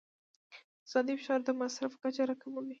اقتصادي فشار د مصرف کچه راکموي.